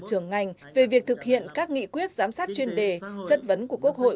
trưởng ngành về việc thực hiện các nghị quyết giám sát chuyên đề chất vấn của quốc hội